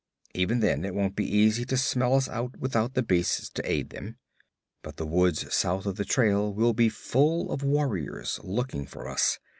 Even then it won't be easy to smell us out without the beasts to aid them. But the woods south of the trail will be full of warriors looking for us.